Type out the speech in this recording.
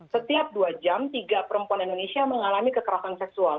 setiap dua jam tiga perempuan indonesia mengalami kekerasan seksual